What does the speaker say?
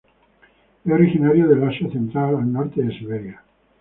Es originario del Asia central al norte de Siberia.